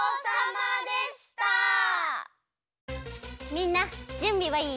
みんなじゅんびはいい？